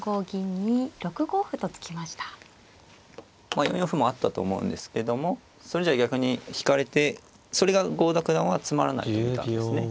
まあ４四歩もあったと思うんですけどもそれじゃ逆に引かれてそれが郷田九段はつまらないと見たんですね。